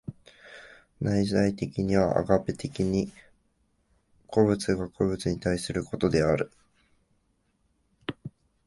内在的にはアガペ的に個物が個物に対することである。